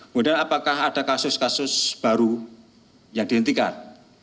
kemudian apakah ada kasus kasus baru yang dihentikan